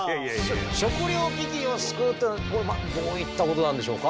食糧危機を救うってのはこれはどういったことなんでしょうか？